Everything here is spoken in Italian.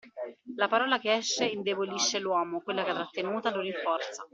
La parola che esce indebolisce l'uomo, quella trattenuta lo rinforza.